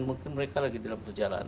mungkin mereka lagi dalam perjalanan